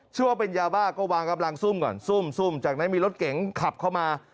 ว่าเป็นยาบ้าก็วางกำลังซุ่มก่อนซุ่มซุ่มจากนั้นมีรถเก๋งขับเข้ามา